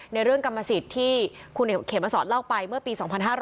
เรื่องกรรมสิทธิ์ที่คุณเขมสอนเล่าไปเมื่อปี๒๕๕๙